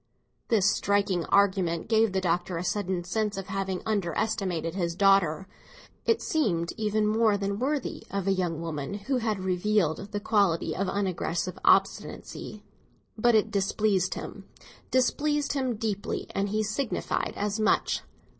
This striking argument gave the Doctor a sudden sense of having underestimated his daughter; it seemed even more than worthy of a young woman who had revealed the quality of unaggressive obstinacy. But it displeased him—displeased him deeply, and he signified as much.